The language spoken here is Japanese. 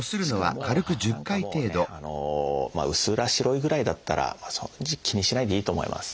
しかも何かもうねうっすら白いぐらいだったらまあ気にしないでいいと思います。